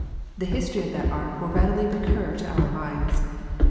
The history of that ark will readily recur to our minds.